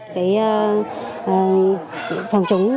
cái phòng chống